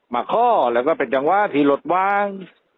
มาค่อแล้วก็เป็นจังหวะผีหลดว้าง